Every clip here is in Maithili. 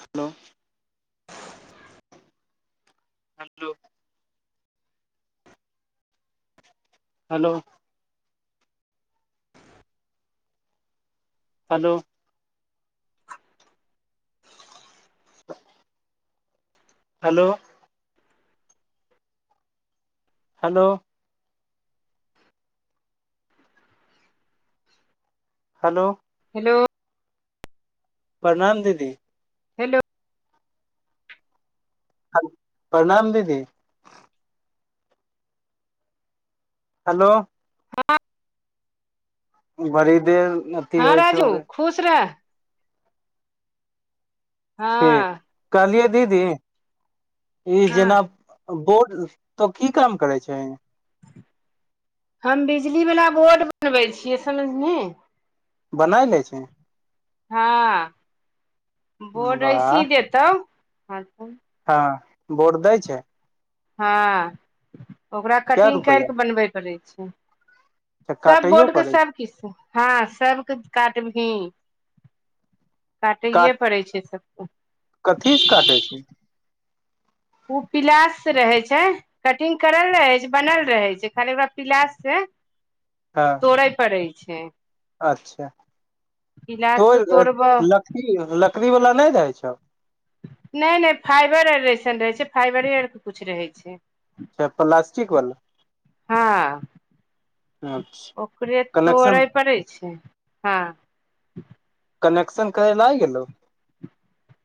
हलो [inaudible] hello hello hello [inaudible] [inaudible] hello hello hello hello परणाम दीदी हेलो हलो परणाम दीदी हलो हँ बरी देर अथी हँ होइ छौ राजू खुश रह हँ कहलिय दीदी ई हँ जेना बोर्ड तो की काम करै छै हम बिजली बला बोर्ड बनबै छियै समझनी बना लै छी हँ बोर्ड वाह ऐसी दे तौ ह त हँ बोर्ड दै छै हँ ओकरा कै कटिंग रुपैआ कैरके‌ बनबय पड़ै छै अच्छा सब काटैयो बोर्डके पड़ै छै सब किछ हँ सबके काटभी काटैये काट पड़ै छै सबके जाय छी उ पिलास से रहै छै कटिंग करल रहै छै बनल रहै छै खाली ओकरा पिलास से हँ तोड़य पड़ै छै अच्छा पिलास से तोड़बौह कि लकड़ी बला नै रहै छौ नै नै फाइबर ऐरेसन रहै छै फाइबरे आरके कुछ रहै छै अच्छा प्लास्टिक बला हँ हँ ओकरे तोड़ै पड़ै छै हँ कनेक्शन करै लाए गेलौ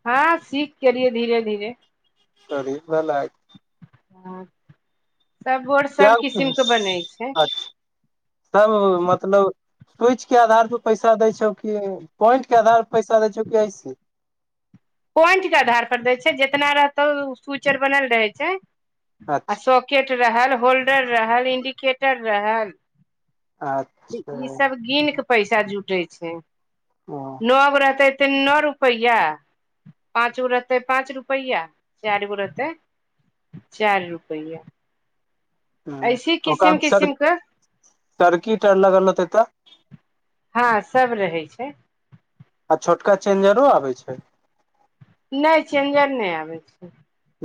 हँ सीख केलियै धीरे-धीरे [unintelligible] हँ सब बोर्ड किया सब किसिम के बनै [unintelligible] छै अचा सब मतलब स्विच के आधार पर पैसा देै छौ कि पॉइंट के आधार पर पैसा देै छौ की ऐसे पॉइंट कऽ आधार पर देय छै जेतना रहतौ स्विचर बनल रहे छै [inaudible] आ अच्छा स केट रहल होल्डर रहल इंडिकेटर रहल [inaudible] इ अच्छा ई सब गिन कऽ पैसा जुटै छै ओ [inaudible] नब रहतै तऽ नौअ रुपैआ पाँच गो रहतै पाँच रुपैया चाइर गो रहतै [inaudible] चाइर रुपैये ओका मे सर किसिम के [inaudible] सरकीट अ लगल होतै तऽ हँ सब रहै छै आ छोटका चेंजरो आबे छै नै चेंजर नै आबै छै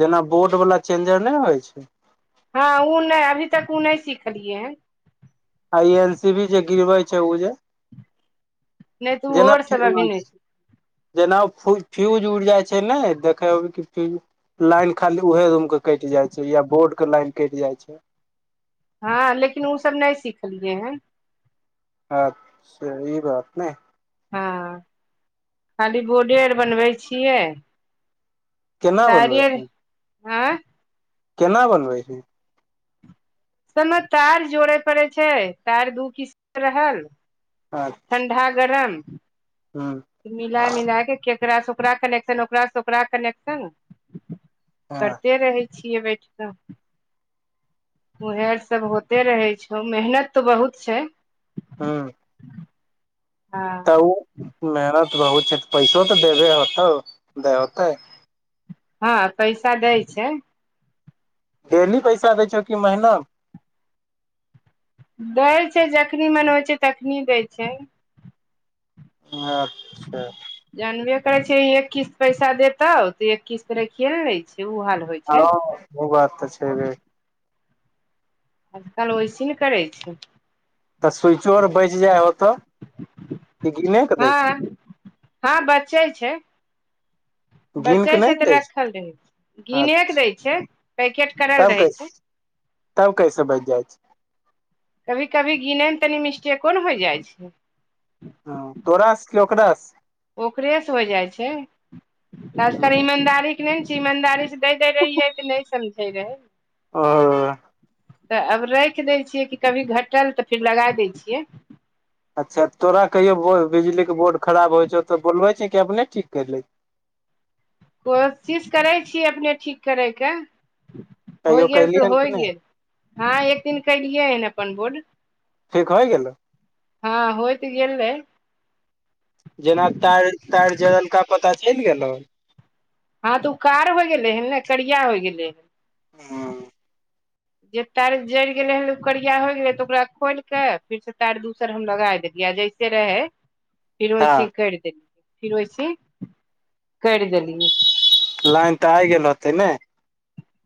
जेना बोर्ड वला चेंजर नै होइ छै हँ ओ नै अभी तक उ नै सिखलियै हन आइ एन सी बी जे गिरबै छै उऽ जे नहि तऽ [inaudible] ओहो जेनाब आर सब अभी नहि फ्यूज [inaudible] सिख जेना फ फ्यूज उड़ि जाइ छै नै देखे होबै की फ्यूज लाइन खाली उहे रूम कऽ कइट जाय छै या बोर्ड कऽ लाइन काइट जाय छै हँ लेकिन उऽ सभ नै सिखलियै हन अच्छ ई बात नै हँ [inaudible] खाली बोर्ड आर बनबै छियै केना बनबै तारे आर छी आँय केना बनबै छी सबमे तार जोड़े पड़े छै तार दू किस कऽ रहल अच्छा ठण्डा गरम [unintelligible] मिला मिल कऽ केकरासँ ओकरा कनेक्शन ओकरासँ ओकरा कनेक्शन हँ करते रहै छियै बैठ कऽ उह सब होते रहे छौ मेहनत तो बहुत छै हु [inaudible] हँ मेहनत बहुत छै तऽ पैसो तऽ देबे होतौ देै होतै हँ पैसा दै छै डेली पैसा दै छौ कि महीना दै छै जखनि मन होइ छै तखनी दै छै अच्छ जानबे करे छी एक किस्त पैसा देतौ तो एक किस्त राखिये न ले है ओ हाल होइ हँ छै ओ बात तऽ छै बे आजकल वइसे ने करै छै तऽ स्विचो आर बचि जाइ होते [inaudible] कि गिने कऽ दै छै हँ हँ बचै छै गिन बचे के नहि छै ने तऽ दै राखल रहै छै हँ गिने केँ दै छै पैकेट करल तब रहै छै कैसे तब कैस बाज जाइ छै कभी कभी गिनेय में तनि मिस्टेको न होइ जाइ छै ह तोरा स की ओकरा स ओकरेसँ होइ जाइ छै खास कर ईमानदारी केँ नै ने छैय ईमानदारीसँ नै दैय रहियै तऽ नै समझै रहै ओ [inaudible] तऽ आब राखि दै छियै कि कभी घटल तऽ फिर लगा दै छियै अच्छा तोरा कहियो बिजलीक के बोर्ड खराब होइ छौ तऽ बोलबै छी कि अपने ठीक करि ले कोशिश करै छियै अपने ठीक करयके कहियो होइ गेल तऽ कलिहन कि होइ नहि गेल हँ एक दिन कलियै हन अपन बोर्ड ठीक होइ गेलौ हँ होयत गेलय जेना तार तार जरलका पता चलि गेलौ हँ तऽ उ कार हो गेलै हन ने करिया हो गेलै हन हँ जे तार जरि गेलै हन उकररिया होय गेलै तऽ ओकरा खोलि के फेर से तार दूसर हम लगा देलियै जैसे के रहै [inaudible] फिर वैसी करि देलियै फिर वैसी करि देलियै लाइन तऽ आइ गेल होतै नाय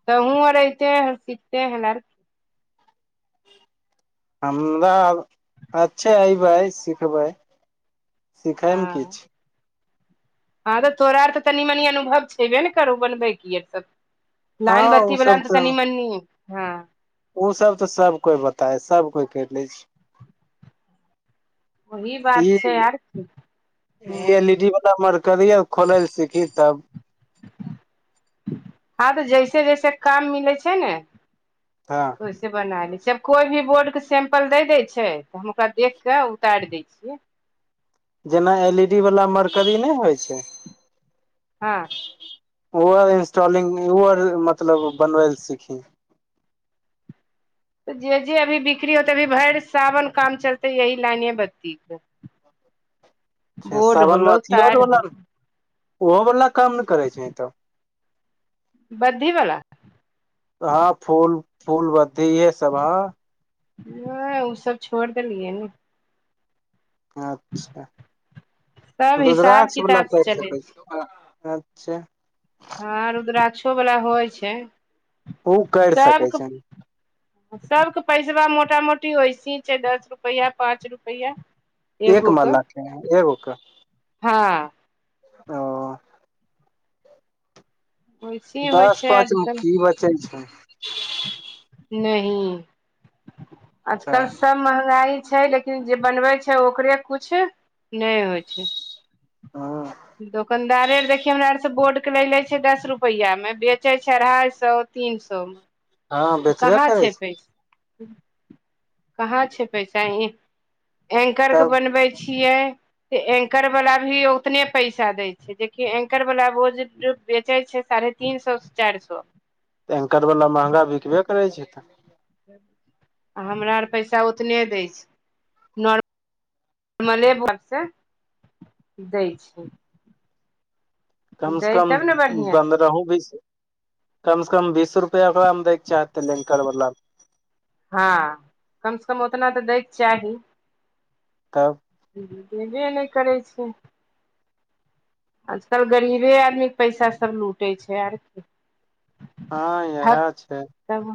तऽ हूँ आरयते सीते हलर हमरा ब अच्छे अयबै सिखबै सिखैमे हँ किछै हँ रौ तोरा आर के तऽ तनि मनि अनुभव छयबे ने करू बनबै की ए सब हँ लैन बत्ती उ बला ने तऽ तनि मनी हँ ओ सब तऽ सब कोइ बताय सब कोइ कैर लै छी वही ई बात छै आर की ई हँ एल ई डी वाला मरकिय खोलै लए सीखी तब हँ तऽ जैसे जैसे काम मिलै छै ने हँ वैसे बना ली कोइ भी बोर्ड के सेंपल दे देै छै तऽ हूम का देखक उतारि दै छियै जेना एल ई डी वाला मरकरी नै होइ छै हँ ओ इंस्टलिंग ओ मतलब बनबैल सीखी त जे जे अभी बिक्री होतै अभी भरि सावन काम चलतै यही लाइनीये बदती के ह [unintelligible] बोर्ड सावनमे होलो अथियओ आओर तार बला ने होलो ओहोवला काम नै करै छै तऽ बद्धिवला हँ फूल फूल बद्धी ई हे सब हँ नै उ सब छोड़ देलियै ने अच्छा सब हिसाब रुद्राक्ष वला किताब से कैर चलै सकै छै छी अच्छा हँं रुद्राक्षो बला होइ छै उ कैर सकै सबके छैन सबके पैसबा मोटा मोटी वइसे छै दस रुपैआ पाँच रुपैआ एक मा ला के एगो के हँ ओ वैसे होइ दस छै पाँच मे आजकल की बचै छै नही आजकल तऽ सब महगाई छै लेकिन जे बनवै छै ओकरे कुछ नै होइ छै हँ दोकानदारे देखि हमरा आर से बोर्ड के लै ले छै दस रुपैआ मे बेचै छै अढ़ाई सौ तीन सौ म हँ बेचबे करै छै कहाँ छै पैसा इह [inaudible] एंकर कऽ तब बनबै छियै ते एंकरवला भी उतने पैसा दै छै जेकि एंकरवला बो जे बेचै छै साढ़े तीन सौ स चाइर सौ एंकर वला महँगा बिकबे करै छै तऽ [inaudible] आ हमरा आर पैसा ओतने दै छै मले भर से [inaudible] दै छै कम स दै कम तब ने बढ़िआँ छै पंद्रह बिसो कम से कम बीस रुपैआ ओकरामे दै केँ चाहतै एंकर बला मे हँ कम स कम ओतना तऽ दै कऽ चाही तब देबे नै करै छै आजकल गरीबे आदमी केँ पैसा सभ लूटै छै आर की हँ इहै छै कहु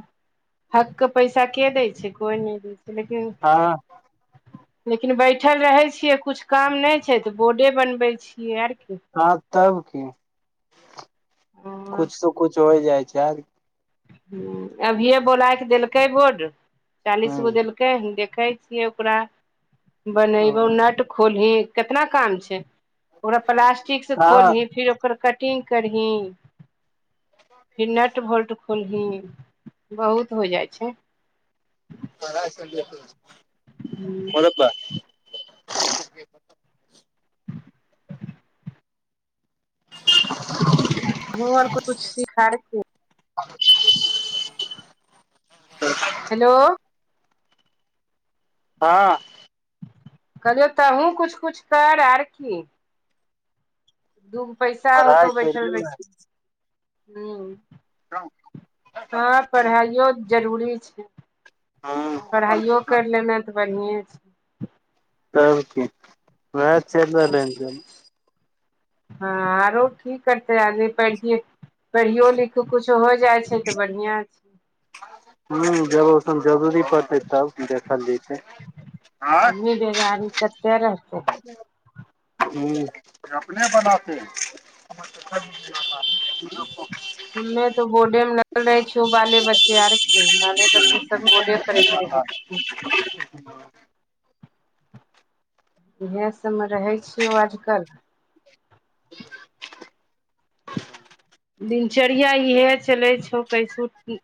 हक कऽ पैसा केँ दै छै कोइ नै दै छै लेकिन [inaudible] हँ लेकिन बैठल रहै छियै कुछ काम नै छै तऽ बोडे बनबै छियै आर की ह तब की [inaudible] कुछ स कुछ होय जाइ छै हु अभिये बोलाय केँ देलकै बोर्ड चालीस गो ह देलकै देखैत छै ओकरा [inaudible] ओ बनैबो नट खोलही कितना काम छै ओकरा प्लास्टिक से हँ खोलही फेर ओकर कटिंग करही [inaudible] फिर नट वोल्ट खोलही [inaudible] बहुत हो जाय छैय हमहूँ [unintelligible] [unintelligible] बौआ और [unintelligible] [unintelligible] हेलो हँ कहलियौ तहुँ कुछ कुछ कर आर की दू गो पैसा पढ़ाइ हेतौ बैठल चलि बैठल [inaudible] हु [unintelligible] हँ पढ़ाइयो जरूरी छै [inaudible] पढ़ाइयो कैर लेना तऽ बढ़िए छै तब की [inaudible] ओहाँ चैल रहलै कनी हँ आरो की करतै आगे पढ़िय पढ़ियो लिखो कुछो होयत जाइ छै तऽ बढ़ियां छै हु जब ओठन जरूरी पड़तै तब देखल जैतै आदमी बेगरी कतै रहतै [unintelligible] [unintelligible] हमे तो बोडे में लगल रहै छिय बाले बच्चे आर की बाले बच्चे सब बोडे करैत रहै [unintelligible] इहे सबमे रहै छियौ आजकल [unintelligible] दिनचर्या इहे छेलै [unintelligible]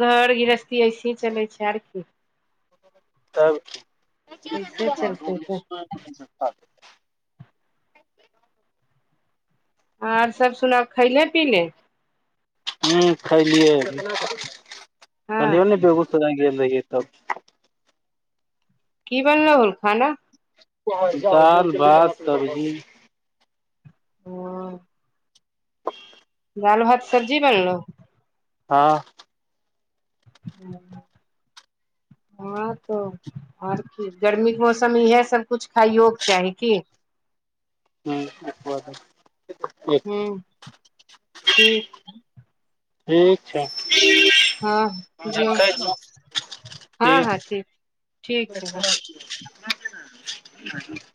घर गृहस्थी ऐसी चलै छैय आर की तब की कैसे चलतै तऽ [unintelligible] आर सब सुनाउ खैले- पीले हु खैलियै हँ अभी [unintelligible] बेगूसराय गेल रहियै तब की बनलौ हन खाना दाल भात सब्जी [unintelligible] दैल भात सब्जी बनलौ हँ [inaudible] हँ तो आओर की गर्मीक मौसमे इहे सब कुछ खाइयो कि चाही की हूँ हुँ ठीक छै ठीक छै हँ जो हँ हँ ठीक ठीक छै देखैत [unintelligible] [unintelligible]